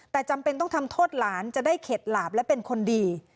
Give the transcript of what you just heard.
แต่จำเป็นต้องทำโทษหลานจะได้เข็ดหลาบและเป็นคนดี